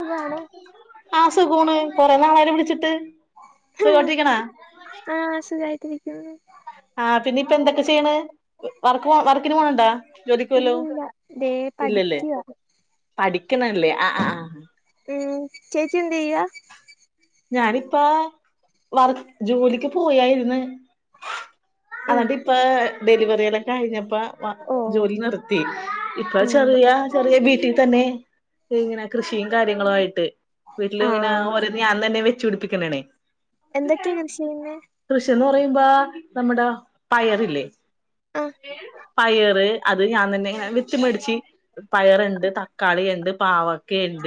സുഖാണോ ആ സുഖാണ് കുറേനാളായല്ലോ വിളിച്ചിട്ട്. സുഖായിട്ടിരിക്കണ ആഹ് [unintelligible] അതിഥി ഇപ്പ എന്തൊക്കെ ചെയ്യണ് വർക് വർക്ക് [unintelligible] വല്ലോ ഇല്ലില്ല ദേ പഠിക്കുവാ ടിക്കനല്ലേ ആഹ് ആഹ് ആ മം ചേച്ചി എന്ത് ചെയ്യാ ഞാനിപ്പോ വർക് ജോലിക്കുപോയാരുന്നു ഉം അന്നാട്ടിപ്പാ ഡെലിവറിടെ കഴിഞ്ഞപ്പോ ഓ ജോലി നിർത്തി ഇപ്പൊ ഉം ചെറിയ ചെറിയ വീട്ടിൽ തന്നെ ഇങ്ങനെ കൃഷിയും കാര്യങ്ങളും ആയിട്ട് വീട്ടിലും അങ്ങനെ ആ ഒരിത് ഞാൻ തന്നെ വെച്ച് പിടിപ്പിക്കണാണെ എന്തെക്കയാ കൃഷി ചെയ്യുന്നേ ദിപ്പോ നമ്മടെ പയറില്ലേ അ പയറ് അത് ഞാൻ തന്നെ ഞാൻ വെച്ച് പഠിച്ച് പയറ് ഇണ്ട് തക്കാളി ഇണ്ട് പാവയ്ക്കാ ഇണ്ട്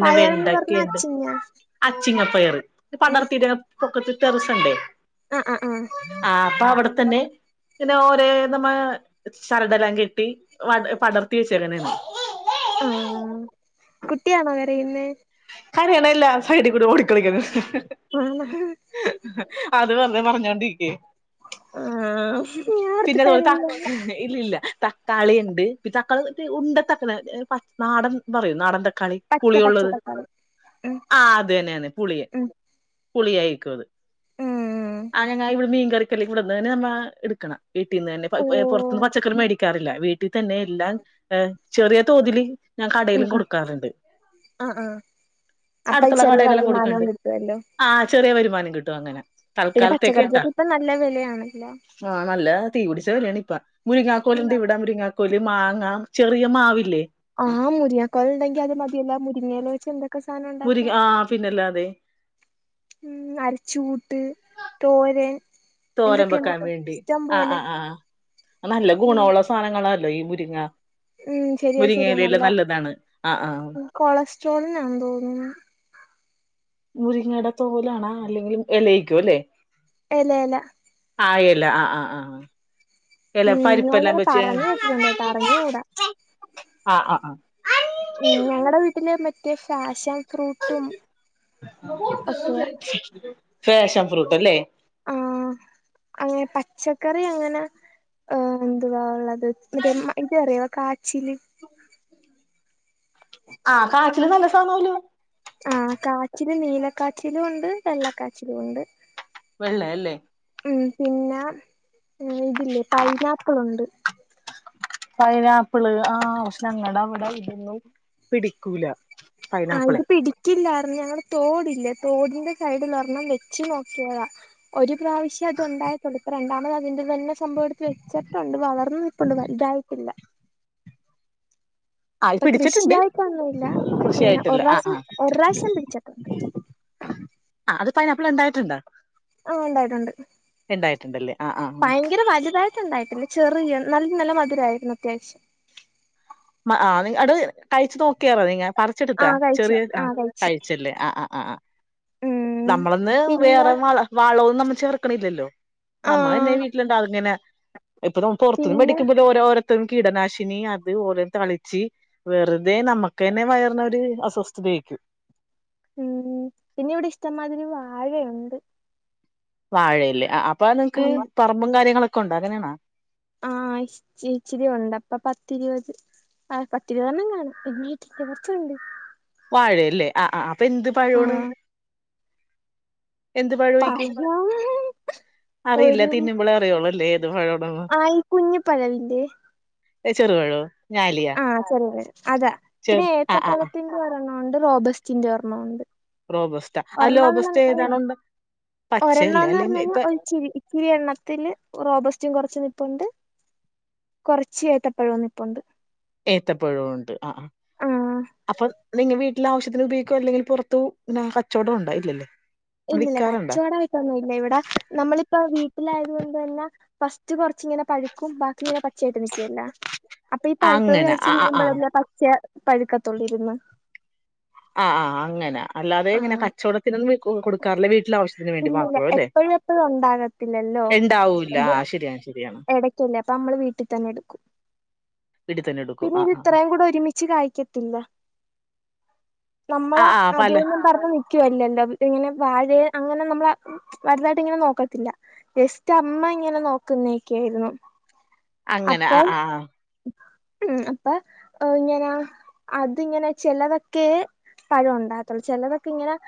പായറെന്ന് പറഞ്ഞാൽ അച്ചിങ്ങ അച്ചിങ്ങപയറ് ഇത് പടർത്തിടണം പൊക്കത്തിൽ ടെറസണ്ടേ അ അ ആ ങ്ങനെ ഓരേ നമ്മ ചരടെല്ലാം കെട്ടി വ പടർത്തി വെച്ചേക്കണേആണ് ആ കുട്ടിയാണോ കരയുന്നെ കരയണെല്ല സൈഡിൽ കൂടി ഓടി കളിക്കണ് ആണോ അതുപറഞ്ഞെ മറഞ്ഞ് കണ്ടിക്കെ ആ പിന്നദോ തക്ക് ഇല്ല ഇല്ല തക്കാളിണ്ട് പി തക്കാളിന്ന് വെച്ച ഉണ്ടതക്കാളി പച് നാടൻ പറയും നാടൻ തക്കാ ക്കാളി പച്ച പച്ച പുളിയൊള്ളത് തക്കാളി ഉം ആ അതന്നെ പുളി ഉം പുളിയാരിക്കും അത് ഉം ആ ഞങ്ങ ഇവിടെ മീൻ കറിക്കെല്ലാം ഇവടുന്നാനമ്മ എടുക്കണേ വീട്ടീന്നന്നെ പ്പ ഏ പൊറത്ത്ന്ന്‌ ഓഹ് പച്ചക്കറി മേടിക്കാറില്ല വീട്ടിത്തന്നെ എല്ലാം ഏ ചെറിയ തോതില് ഞാൻ ഉം കടേലും ഉം കൊടുക്കാറുണ്ട് ആഹ് ആഹ് അപ്പൊ അടുത്തുള്ള ചെറിയ കടേലെല്ലാം വരുമാനവും കൊടുക്കണ്ട് കിട്ടുവല്ലോ ആ ചെറിയ വരുമാനം കിട്ടുവങ്ങനെ പിന്നെ പച്ചക്കറിക്കൊക്കെപ്പം നല്ല വെലയാണല്ലോ ആഹ് നല്ല തീപ്പിടിച്ച വെലയാണിപ്പം ഉം മുരിങ്ങക്കൊലിണ്ടിവിടെ മുരിങ്ങ കോല് മാങ്ങാ ചെറിയ മാവില്ലേ ആ മുരിങ്ങാകോൽണ്ടങ്കിൽ അത് മതിയല്ലോ മു മുരിങ്ങേലവെച്ച് എന്ത മുരി സാനോണ്ടാക്കാം ആഹ് പിന്നല്ലാതെ ഉം അരച്ചു [unintelligible] തോരൻ തോരൻ എന്തൊക്കെ വെക്കാൻ എന്തൊക്കെ വേണ്ടി ഇഷ്ടം ആഹ് പോലെ ആഹ് ആഹ് നല്ല ഉം ഗുണോള്ള സാനങ്ങളാ [unintelligible] മുരിങ്ങ ഉം ശെരിയാ ശെരിയാ മുരിങ്ങയിലല്ലാം നല്ല നല്ലതാണ് ആഹ് ആഹ് കോളസ്ട്രോളിനാന്ന്‌ തോന്നണു. മുരിങ്ങേട തോലാണ അല്ലേങ്കിൽ എലെയിരിക്കുല്ലേ? എല എല [unintelligible] ആഹ് ആഹ് ആഹ് എല ഉം പരിപ്പെല്ലാം ഞാനിങ്ങനെ വെച്ച് പറഞ്ഞ് ആഹ് കേട്ടിട്ടുണ്ട് കേട്ടോ അറിഞ്ഞുകൂടാ ആഹ് ആഹ് ഉം ഞങ്ങടെ വീട്ടില് മറ്റ് റ്റെ ഫാഷൻ ഫ്രൂട്ടും ഒക്കെയാ ഫ്രാഷൻ ഫ്രൂട്ട്ല്ലേ ആഹ് അങ്ങേ പച്ചക്കറിയങ്ങനെ ഏഹ് എന്തുവാള്ളത് [unintelligible] ഇതറിയാവോ കാച്ചില് ആഹ് കാച്ചില് നല്ല സാനം ആലോ നീല കാച്ചിലും ഒണ്ട് വെള്ള കാച്ചിലും ഒണ്ട് വെള്ള അല്ലെ മ് പിന്നെ മ് ഇതിലെ പൈനാപ്പിൾ ഉണ്ട് പൈനാപ്പിള് ആഹ് പക്ഷെ ഞങ്ങടെ അവടെ ഇതൊന്നും പിടിക്കൂല ആഹ് പൈനാപ്പിളെ ഇത് പിടിക്കില്ലാർന്ന് ഞങ്ങള് തോ തൊടിന്റെ സൈഡിൽ ഒരെണ്ണം വെച്ച് നോക്കിയതാ ഒരു പ്രാവിശ്യം അത് ഉണ്ടായിട്ടൊള്ളു ഇപ്പ രണ്ടാമത് അതിന്റെ വീ സംഭവം എടുത്ത് വെച്ചട്ടുണ്ട് വളർന്നു നിപ്പോണ്ട് വലുതായിട്ടില്ല അതില് ഇപ്പൊ പിടിച്ചിട്ടൊണ്ട് കൃഷിയായിട്ടൊന്നുമില്ല ഇങ്ങനെ കൃഷിയായിട്ടില്ല ഒരു പ്രാവശ്യം ആഹ് ഒരു പ്രാവശ്യം പിടിച്ചിട്ടുണ്ട് ആഹ് അത് പൈനാപ്പിൾ ഉണ്ടായിട്ടോണ്ട് ആ ഉണ്ടായിട്ടോണ്ട് ആ ആ ഭയങ്കര വലുതായിട്ട് ഉണ്ടായിട്ടില്ല ചെറിയ നല്ല നല്ല മധുരം ആയിരുന്നു അത്യാവശ്യം ആ ആ അത് കഴിച്ച് നോക്കിയാ മതി ങേ പറിച്ച് എടുത്ത ആ കഴിച്ചു ചെറിയ ക ആ കഴിച്ചു കഴിച്ച് അല്ലെ ആ അ അ അ ഉം നമ്മൾ ഒന്ന് പിന്നെ വേറെ വളം ഒന്നും ചേർക്കണില്ലലോ ആ നമ്മൾ തന്നെ വീട്ടിൽ [unintelligible] പൊറത്തിന്ന് പിന്നെ വെടിക്കുമ്പോ ഓരോ ഓരോ മൊത്തോം കീടനാശിനിയും അതും തളിച് വെറുതെ നമ്മക്ക് തന്നെ വയറിന് ഒരു അസ്വസ്ഥത ആയിരിക്കും മ് പിന്നെ ഇവടെ ഇഷ്ടമാത്തിരി വാഴ ഒണ്ട് വാഴയിൽ അ അ അപ്പൊ നിങ്ങ്ക്ക് പറമ്പും കാര്യങ്ങളൂക്കെ കൊണ്ടാകണേണോ ആ ഇച്ച് ഇച്ചിരി ഒണ്ട് ഒരു പത്ത് ഇരുപത് ആ പത്ത് ഇരുപത് എണ്ണം കാണും പിന്നെ [unintelligible] വാഴ അല്ലെ ആ അ അപ്പൊ ന്ത് പഴം ആണ് ആഹ് എന്ത് പഴം ആയിരിക്കും അറിയില്ല തിന്നുമ്പോളെ അറിയോളു അല്ലെ ആ ഈ കുഞ് പഴം ഇല്ലേ എ ചെറുപഴവോ ആ ചെറുപഴം അതെ പിന്നെ ചെറു ആ ആ ആ ഏത്തപ്പഴത്തിന്റെ ഒരെണ്ണം ഒണ്ട് റോബേസ്റ്റിന്റെ ഒരെണ്ണം ഒണ്ട് റോബസ്റ്റ ആ ഒരെണ്ണം റോബസ്റ്റ എന്ന് പറഞ് ഏതാണുണ്ട് ഒരെണ്ണം പച്ചയല്ലേ എന്ന് അല്ലെ പറഞ്ഞു കഴിഞ്ഞ ഇപ്പൊ ഒരു ഇച്ചിരി ഇച്ചിരി എണ്ണത്തില് റോബെസ്റ്റയും കൊറച് പ്പുണ്ട് കൊറച്ച് ഏത്തപ്പഴും നിപ്പുണ്ട്. ഏത്തപ്പഴം ഉണ്ട് ആഹ് അപ്പം നിങ്ങ വീ ട്ടില് ആവശ്യത്തിന് ഉപയോഗിക്കാ അല്ലെങ്കിൽ പുറത്തു കച്ചവട പിന്നെ ഉണ്ടോ ഇല്ലല്ലേ. ഇല്ലല്ല വിൽക്കാറുണ്ടോ കച്ചോടായിട്ടൊന്നുല്ല ഇവടെ നമ്മൾ ഇപ്പോ വീട്ടിൽ ആയതുകൊണ്ട് തന്നെ ഫസ്റ്റ് കൊറച്ച്ങ്ങനെ പഴുക്കും ബാക്കി ഇങ്ങനെ പച്ചയായിട്ട് നിൽക്കുവല്ലോ അപ്പോ ഈ പഴുത്തത് അങ്ങനെ കഴിച്ച് ആ ആ ആ തീരുമ്പോത്തിനും പച്ച പഴുക്കത്തൊള്ളു ഇരുന്ന്. ആ ആ ആ അങ്ങനെ. അല്ലാതെ ഇങ്ങനെ കച്ചോടത്തിനൊന്നും വെക്കു ക്കും കൊടുക്കാറില്ലേ വി വീട്ടിലെ ആവശ്യത്തിന് വേണ്ടി ഇല്ലില്ല മാത്രം അല്ലേ എപ്പയും എപ്പയും ഉണ്ടാകത്തില്ലല്ലോ ഉണ്ടാവൂല്ല ഇത്. ആ ശരിയാണ് ശരിയാണ് എടക്കല്ലേ അപ്പം നമ്മൾ വീട്ടിൽ തന്നെ എടുക്കും. വീട്ടിൽ തന്നെ എടുക്കും പിന്നെ ആ ഇത് ആ ഇത്രയും കൂടെ ഒരുമിച്ച് കായ്ക്കത്തില്ല. ആ നമ്മള് ആ ആ, പല അതും ഇതും പറഞ്ഞു നിൽക്കുവല്ലല്ലോ ഇവിടെങ്ങനെ പാല് അങ്ങനെ നമ്മള് വലുതായിട്ട് ഇങ്ങനെ നോക്കത്തില്ല ജസ്റ്റ്‌ അമ്മയിങ്ങനെ നോക്കുന്നെക്കെയുള്ളു. അങ്ങനെ അ ആ ആ. ഉം അപ്പം ഇങ്ങനെ അത് ഇങ്ങനെ ചിലതൊക്കെ പയം ഉണ്ടാകത്തൊള്ളൂ ചെലത് ഇങ്ങനെ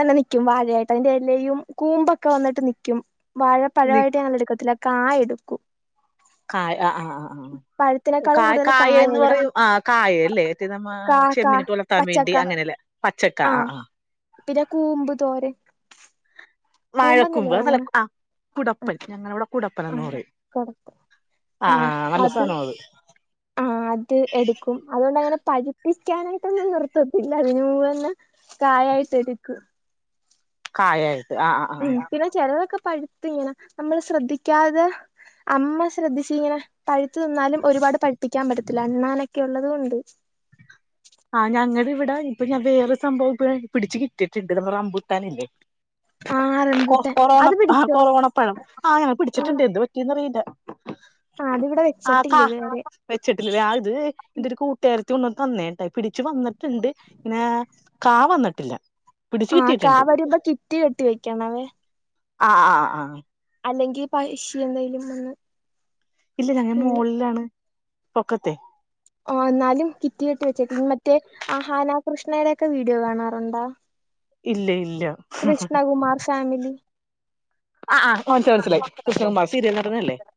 തന്നെ നിക്കും. ക്കും വാഴ ആയിട്ട് അതിന്റെ ഇലയും കൂമ്പൊക്കെ വന്നിട്ട് നി. വാഴപ്പഴം ആയിട്ട് ഞങ്ങൾ എടുക്കത്തില്ല കായ എടുക്കും. കാ ആ ആ ആ പഴത്തിനേക്കാളും കാ കൂടുതൽ കായ എന്ന് ഇവിടെ പറയു ആ കാ അല്ലെ ഇത് നമ്മ കാ കാ ചെമ്മീൻ ഇട്ട്ഒലത്താൻ വേണ്ടി പച്ചക്കാ അങ്ങനെ അല്ലെ പച്ചകാ ആ ആഹ് ആ പിന്നെ കൂമ്പ് തോരൻ കൂമ്പന്നല്ലേ വാഴകൂമ്പ് പറയുന്നെ അതല്ലേ പുടപ്പ് ആഹ് ഞങ്ങളെ ഇവിടെ പുട പ്പന‌ന്ന് ആഹ് പറയും കൊടുക്കും ആ നല്ല സാധനാ അത്. ആ അത് എടുക്കും. ഇവിടെ അങ്ങനെ പരിപ്പിക്കാനായിട്ട് നിർത്തത്തില്ല ഇങ്ങനെ കായയായിട്ട് എടുക്കും. കായൽ ഉം പിന്നെ ചെലതൊക്കെ പഴുത്ത് ഇങ്ങനെ നമ്മൾ ശ്രദ്ധിക്കാതെ അമ്മ ശ്രദ്ധിച്ചിങ്ങനെ പഴുത്തു നിന്നാലും ഒരുപാട് പഴുപ്പിക്കാൻ പറ്റത്തില്ല അണ്ണാൻക്കെ ഉള്ളതുകൊണ്ട് പിന്നെ വേറെ സംഭവം പിടിച്ചു കിട്ടിയിട്ടുണ്ട് നമ്മളെ റമ്പുട്ടാനില്ലേ ആ കൊ റംബൂട്ടാൻ കൊറോണ അത് ആ പിടിച്ചോ കൊറോണ പഴം ആ പിടിച്ചിട്ടുണ്ട് എന്ത് പറ്റിന്നറിയില്ല അതിവിടെ ആ വെച്ചിട്ടില്ല ഹാ ഇതുവരെ വെച്ചിട്ടുണ്ട് അത് എന്റെ ഒരു കൂട്ടുകാരി തുണ് തന്നെ തയ് ച്ച് വന്നിട്ടുണ്ട് പിന്നെ കാ വന്നിട്ട് പില്ല ആഹ് കാവരുയുമ്പോ കിറ്റ് കെട്ടി വെക്കണവേ ആഹ ആഹ് ആഹ അല്ലെങ്കിൽ [unintelligible] എന്തെലും ഒന്ന് ഇല്ല ഞങ്ങ മോൾലാണ് പക്കത്തെ ഓ എന്നാലും കിറ്റ കെട്ടി വെച്ചേക്ക് മറ്റേ ആഹാനാ കൃഷ്ണയുടെ ഒക്കെ വീഡിയോ കാണാറുണ്ടാ ഇല്ല ഇൽ കൃഷ്ണകുമാർ ഫാമിലി ആ ആ മനസ്സിലായി മനസ്സിലായി ആഹ് കൃഷ്ണകുമാർ സീരിയൽ നടനല്ലേ [unintelligible]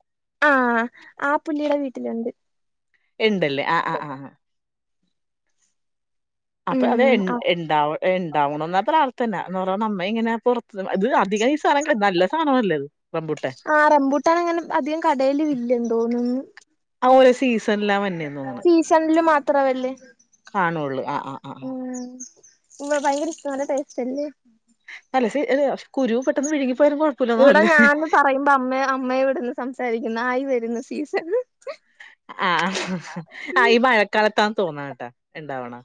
ആഹ് ആ പുള്ളീടെ വീട്ടിലൊണ്ട് ഇണ്ടല്ലേ ആഹ് ആഹ് ആഹ് ആഹ് അപ്പൊ അതെ എ ഉം ആ ഇണ്ടാവ ഇണ്ടാവണോന്ന പ്രാർത്ഥന എന്ന് പറഞ്ഞ നമ്മ ഇങ്ങനെ പുറത്ത് ഇത് അധികം ഈ സാധനം ക നല്ല സാധനം അല്ലത് ആഹ് റംമ്പൂട്ടാണ് അങ്ങനെ അധികം കടൽ വില്ലണ്ട് തോന്നുന്ന് ആഹ് ഓരോ സീസണിലാ വന്നെയ തോന്നണ് അത്ര വല്ലേ കാണുള്ളൂ ആഹ് ആഹ് ആഹ് ഉവ ഭയങ്കര മരട്ടൈസ്ല്ല [inaudible] വിഴുങ്ങിപ്പോയാലും കുഴപ്പമില്ലന്നാ ഇവിടെ തോന്ന്ല്ലേ ഞൻ പറയുമ്പോ അമ്മ അമ്മയെ ഇവിടുന്ന് സംസാരിക്കുന്നു ആയി വരുന്നു തീസ [inaudible] ആഹ് ആഹ് ഈ മഴക്കാലത്താന്ന് തോന്ന കേട്ടാ ഇണ്ടാവണ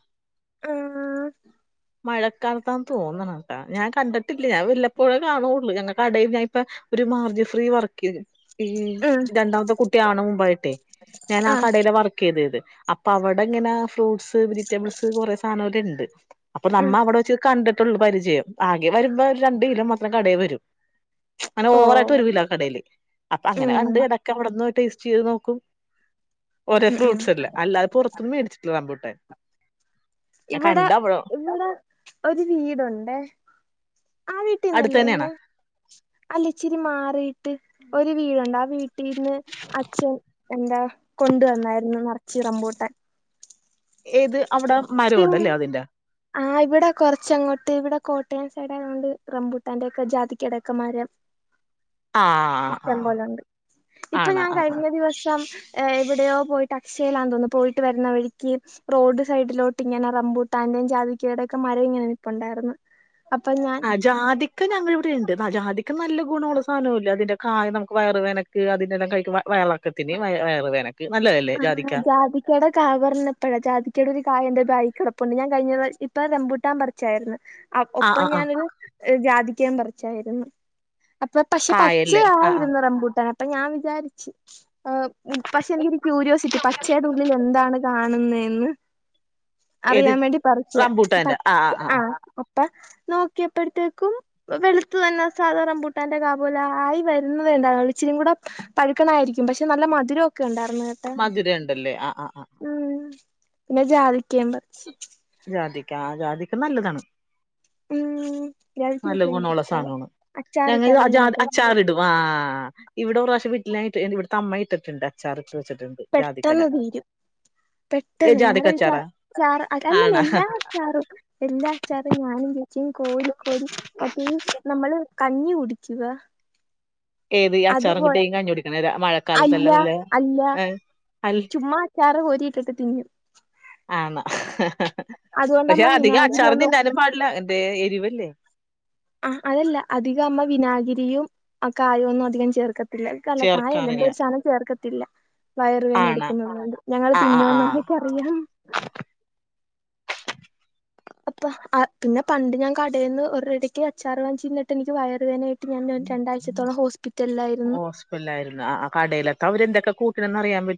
ആഹ [unintelligible] മഴക്കാലത്താന്ന് തോന്നണം കേട്ടാ ഞാൻ കണ്ടിട്ടില്ല ഞാൻ വല്ലപ്പോഴേ കാണുകുള്ളു ഞങ്ങ കടൽ ഞാൻ ഇപ്പൊ ഒരു മാർജി ഫ്രീ വർക്ക് ചെയ ഈ ഉം രണ്ടാമത്തെ കുട്ടിയാണ് മുമ്പായിട്ടേ ഞാൻ ആ ആഹ് കടയില് വർക്ക് ചെയ്തത് അപ്പൊ അവിടെ എങ്ങന ഫ്രൂട്ടസ് വെജിറ്റബിൾസ് കുറേ സധനങ്ങള ഉണ്ട് [inaudible] അപ്പൊ ഉം നമ്മ അവിടെച്ച് കണ്ടി് പരിചയം ആകെ വരുമ്പോ രണ്ട കിലോ മാത്രം കടെ വരും അങ്ങനെ ഓ ഓവറായിട്ട് ഒരു കിലോ കടയില് അപ്പൊ അങ്ങനെ ഉം കണ്ട് ഇടക്ക ഇവിടുന്ന് ടൈസ്റ്റ് ചയ്തു നോക്കൂ ഓരോ ഉം ഉം ഫ്രൂട്സ് അല്ലെ അല്ലാതെ പുറത്തിന്നു വെടിച്ചിട്ടില്ല റംബുട്ടാൻ ഇവിടെ ഇവിടെ ഒരു വീടുണ്ടെ ആ അടുത്ത് വീട്ടിന്നില്ലെ തന്നെയാണ് ഇന്ന് ഇച്ചിരി മാറിയിട്ട് ഒരു വീട് ഉണ്ട് വീട്ടിന്ന് അച്ഛൻ എന്താ കൊണ്ട് വന്നരുന്നു നിറച്ചു റംബുട്ടാൻ. ഏത് അവിടെ പിന് മരമുണ്ടല്ലേ അതിന്റെ ആ ഇവിടെ കുറച്ചെങ്ങോട്ട് കോട്ടയം സൈഡ് ആയോണ്ട് റംബൂട്ടാന്റേം ജാതിക്കയുടെ ഒക്കെ മരം. ആഹ് ഇഷ്ട്ടം ആഹ് പോലെ ഉണ്ട് ഇപ്പൊ ആണ് ഞാൻ ആഹ് ആഹ് കഴിഞ്ഞ ദിവസം എവിടയോ പോയിട്ട് അക്ഷയയിലാന്ന് തോന്നുന്നു പോയിട്ട് വരുന്നവഴിക്ക് റോഡ് സൈഡിൽക്കോ റംബൂട്ടാന്റേം ജാതിക്കയുടെ മരം നിപ്പുണ്ടായിരുന്നു. അപ്പൊ ഞാൻ ജാതിക്കാ ഞങ്ങളേ ഇവിടുണ്ട്. ക്കാ നല്ലഗുണം സാധനം അല്ലെ അതിന്റ കായ നമുക്ക് വയർ വേദനക്ക് അതെല്ലാം കഴിക്കുമ്പോ വയറിളക്കത്തിന് വയർ വേദനക്ക്‌ ആ ജാതിക്കയുടെ കവർന്ന് പ്പോയാ ജാതിക്കയുടെ ഒരു കായ ഉണ്ട് ബാഗിൽ [unintelligible] കഴിഞ്ഞ ഇപ്പൊ റംബൂട്ടാൻ പറിച്ചാരുന്നു. അപ്പൊ ആഹ് ഒപ്പം ആഹ് ഞാൻ ആഹ് ന്ന് ജാതിക്കയും പറിച്ചാരുന്നു. അപ്പൊ പക്ഷെ കായല്ലേ ആഹ് ആഹ് പച്ചയായിരുന്നു റംബൂട്ടാൻ അപ്പൊ ഞാൻ വിചാരിച്ച് പക്ഷെ ക്യൂരിയോസിറ്റി പച്ചേടെ ഉള്ളില് എന്താണ് കാണ്ന്നേ? ഏത് അറിയാൻ വേണ്ടി പറിച്ചയാ റംബൂട്ടാന്റെ ആഹ് പച്ച് ആഹ് ആ ആഹ് ഒക് അപ്പൊ നോക്കിയപ്പഴ്ത്തേക്കും വെളുത്ത് തന്നെ സാധാ റംബൂട്ടന്റെ കാ പോലെ ആയി വരുന്നതേ ഇണ്ടായിരുന്നുള്ളു ഇച്ചിരി കൂടെ പഴുക്കണായിരിക്കും പക്ഷേ നല്ല മധുരൊക്കെ ഒണ്ടാർന്ന് മധുര ഇണ്ടല്ലെ ആഹ് ആഹ് പിന്നെ ജാതിക്കയും പറിച്ച് ജാതിക്ക ആ ജാതിക്ക നല്ലതാണ്. മ് നല്ല ഗുണം ഒള്ള സാനം ആണ്, ഞങ്ങൾ അച്ചാറിട്ടാലും അച്ചാ ത് നമുക്ക് അച്ചാർ ഇടും, ആ ഇവിടെ ഒരു പ്രാശ്യം വീട്ടിലെ ഇട്ട് എന്ത് ഇവിട്ത്തെ അമ്മ ഇട്ടിട്ടിണ്ട് അച്ചാറ്. പെട്ടന്ന് തീരും, ഏ പെട്ടന്ന് ജാതിക്ക ഞങ്ങടെ വീട്ടിൽ അച്ചാറാ അച്ചാറ് അല്ലല്ല ആണാ എല്ലാ അച്ചാറും എല്ലാ അച്ചാറും ഞാനും [unintelligible] ച്ഛനും കോരി കോരി അത് നമ്മള് കഞ്ഞി കുടി [unintelligible] ഏത് ഈ അച്ചാറും കൂട്ടി ഈ കഞ്ഞി കുടിക്കണര മഴ അല്ല അല്ല അൽ ചുമ്മാ അച്ചാറ് കോരി ഇട്ടിട്ട് തിന്നും. പക്ഷേ അതുകൊണ്ടമ്മ അധികം വിനാഗിരി അച്ചാർ ഒന്നും തിന്നാനും പാടില്ല എന്തെ എരിവ് അല്ലെ. ആ അതല്ല അധികം ആവുമ്പോ വിനാഗിരിയും ആ കായം ഒന്നും അധികം ചേർക്ക ത്തില്ല ക്കല്ല കായല്ല എന്തോ ചേർക്കാറില്ല ഒരു സാനം ചേർക്ക ത്തില്ല. വയറ് വേന ആണ എടുക്കുന്ന് പറഞ്ഞുകൊണ്ട് ഞങ്ങള് ആഹ് ആഹ് തിന്നുന്ന്‌ ആഹ് അമ്മക്ക് അറിയാം. അപ്പൊ ആ പിന്നെ പണ്ട് ഞാൻ കടെന്ന് ഒറുടെക്ക് അച്ചാർ വാങ്ങിച്ചു തിന്നിട്ട് എനിക്ക് വയർ വേദനയായിട്ട് ഞാൻ രണ്ടാഴ്ചത്തോളം ഹോസ്പി ഹോസ്പിറ്റലാരുന്നോ ആ കടെലക്കേ അവര് എന്തൊക്കെ കൂ ട്ടണെന്ന് അറിയാൻ പ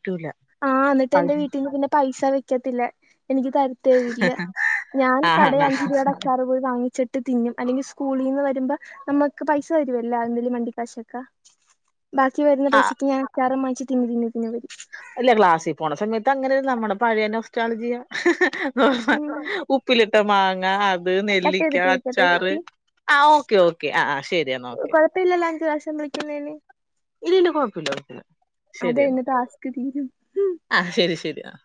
ആ ന്നട്ട് എന്റെ വീട്ടിന്നു പിന്നെ പൈസ വെ ക്കത്തില്ല എനിക്ക് താരതേം ഇല്ല ഞാൻ ആഹ് കടെ ആണ അഞ്ച് രൂപടെ അച്ചാർ പോയി വാങ്ങിച്ചട്ട് തിന്നും അല്ലങ്കി സ്കൂളിന്ന്‌ വരുമ്പോ നമ്മ ഇൻക്ക് പൈസതരുവല്ലോ എന്തെങ്കിലും വണ്ടി കാശൊക്കെ ബാക്കി വരുന്ന ആഹ് പൈസക്ക് ഞാൻ അച്ചാർ വാങ്ങിച്ചിട്ട്‌ തിന്ന്തിന്ന് പിന്നെ വരും അല്ല ക്ലാസ്സി പോണ സമയത്ത് അങ്ങനാര്ന്ന് നമ്മളെ പഴയ നൊസ്റ്റാൾജിയ ഉം ഉപ്പിലിട്ട മാ ങ്ങാ ഹ് അത് കട്ട് നെല്ലിക്ക ചെയ്തിട്ട് വിളിക്കട്ടെ അച്ചാറ് ചേച്ചി ആ ഓക്കേ ഓക്കേ ആ ശെരി ന്നാ ഓക്കേ അടുത്ത പ്രാശ്യം വിളിക്കുന്നെന് ഇല്ലില്ല കൊഴപ്പില്ല കൊഴപ്പില്ല അത് ശെരി എന്നാ കഴിഞ്ഞ് ടാസ്ക് തീരും ആഹ് ശെരി ശെരി ആ